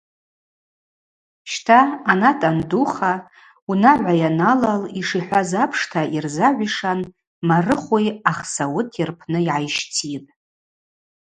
Щта анат андуха, унагӏва йаналал, йшихӏваз апшта йырзагӏвишан Марыхви Ахсауыти рпны йгӏайщтитӏ.